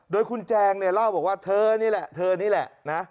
โดยคุณแจงเนี่ยเล่าบอกว่าเธอนี่แหละเธอนี่แหละนะ